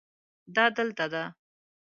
دا دلته ده